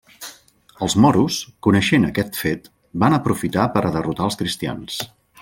Els moros, coneixent aquest fet, van aprofitar per a derrotar els cristians.